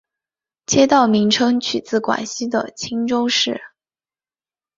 街道名称取自广西的钦州市。